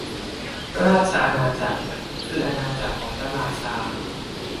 ราชอาณาจักร คืออาณาจักรของพระราชา